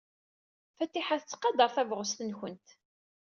Fatiḥa tettqadar tabɣest-nwent.